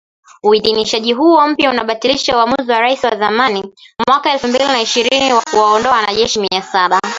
Uidhinishaji huo mpya unabatilisha uamuzi wa Rais wa zamani, mwaka elfu mbili na ishirini wa kuwaondoa wanajeshi mia saba